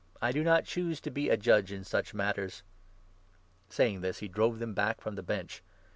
I do not choose to be a judge in such matters." Saying this, he drove them back from the Bench.